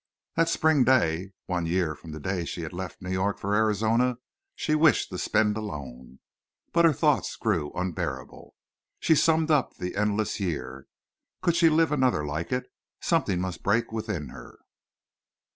That spring day, one year from the day she had left New York for Arizona, she wished to spend alone. But her thoughts grew unbearable. She summed up the endless year. Could she live another like it? Something must break within her.